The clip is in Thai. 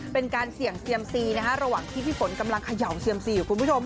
เป็นการเสี่ยงเซียมซีระหว่างที่พี่ฝนกำลังเขย่าเซียมซีอยู่คุณผู้ชม